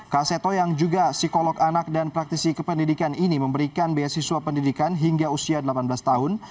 kak seto yang juga psikolog anak dan praktisi kependidikan ini memberikan beasiswa pendidikan hingga usia delapan belas tahun